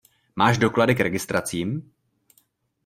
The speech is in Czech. Máš doklady k registracím?